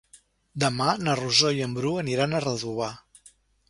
Demà na Rosó i en Bru aniran a Redovà.